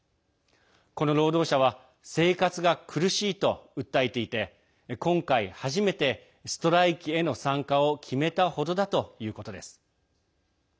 この労働者は生活が苦しいと訴えていて今回、初めてストライキへの参加を決めたほどだということです。